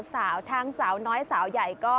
สาวทั้งสาวน้อยสาวใหญ่ก็